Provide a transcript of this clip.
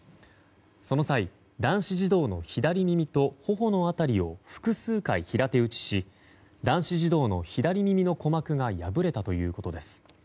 その際、男子児童の左耳とほほの辺りを複数回、平手打ちし男子児童の左耳の鼓膜が破れたということです。